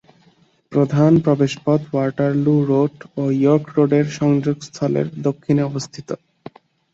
প্রধান প্রবেশপথ Waterloo road ও ইয়র্ক রোডের সংযোগস্থলের দক্ষিণে অবস্থিত।